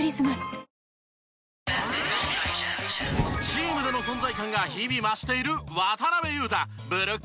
チームでの存在感が日々増している。